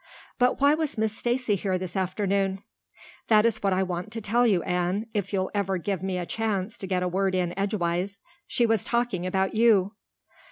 But why was Miss Stacy here this afternoon?" "That is what I want to tell you, Anne, if you'll ever give me a chance to get a word in edgewise. She was talking about you."